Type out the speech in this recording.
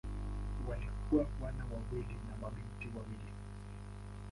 Walikuwa wana wawili na mabinti wawili.